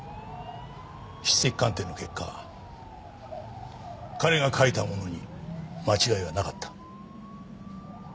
筆跡鑑定の結果彼が書いたものに間違いはなかった。